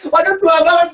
waduh tua banget gue